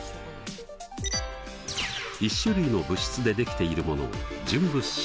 １種類の物質でできているものを純物質。